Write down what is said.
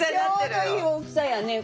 ちょうどいい大きさやねこれ。